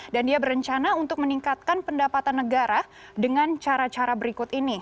dan dia berencana untuk meningkatkan pendapatan negara dengan cara cara berikut ini